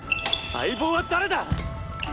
相棒は誰だ！？